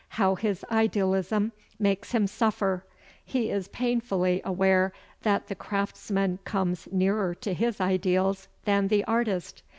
How his idealism makes him suffer! He is painfully aware that the craftsman comes nearer to his ideals than the artist.